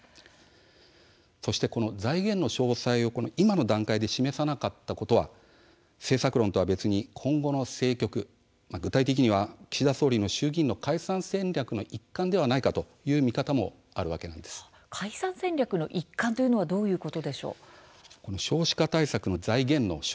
そして、この財源の詳細を今の段階で示さなかったことは政策論とは別に今後の政局、具体的には岸田総理の衆議院の解散戦略の一環ではないか解散戦略の一環というのはどういうことなんでしょうか。